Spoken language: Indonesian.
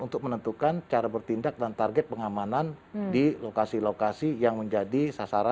untuk menentukan cara bertindak dan target pengamanan di lokasi lokasi yang menjadi sasaran